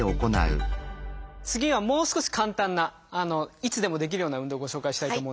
次はもう少し簡単ないつでもできるような運動をご紹介したいと思うんですけど。